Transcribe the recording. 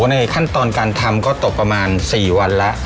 ในขั้นตอนการทำก็ตกประมาณ๔วันแล้ว